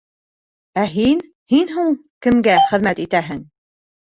Ә һин, һин һуң кемгә хеҙмәт итәһең?